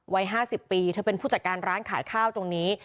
วัย๕๐ปีเธอเป็นผู้จัดการร้านขายข้าวตรงนี้